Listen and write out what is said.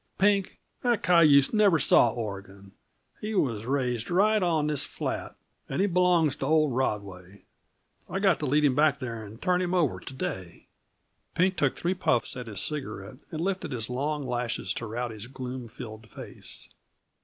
Pink, that cayuse never saw Oregon. He was raised right on this flat, and he belongs to old Rodway. I've got to lead him back there and turn him over to day." Pink took three puffs at his cigarette, and lifted his long lashes to Rowdy's gloom filled face.